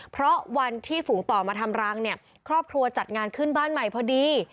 เพราะวันที่ฝูงต่อมาทำรังเนี่ยครอบครัวจัดงานขึ้นบ้านใหม่พอดี